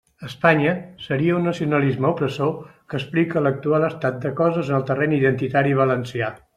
Espanya seria un nacionalisme opressor que explica l'actual estat de coses en el terreny identitari valencià.